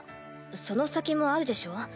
その先もあるでしょ？